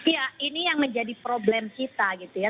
ya ini yang menjadi problem kita gitu ya